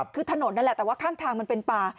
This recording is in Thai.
คือถนนนั่นแต่ว่าข้างทางเกือบเป็นบ่า